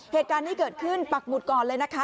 เหตุการณ์นี้เกิดขึ้นปักหมุดก่อนเลยนะคะ